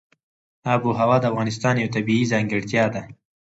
آب وهوا د افغانستان یوه طبیعي ځانګړتیا ده.